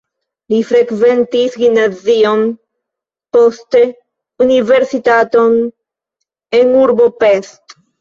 Li frekventis gimnazion, poste universitaton en urbo Pest.